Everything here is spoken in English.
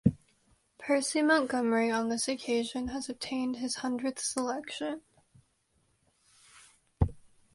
Percy Montgomery, on this occasion, has obtained his hundredth selection.